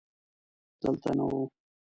دلته نه و.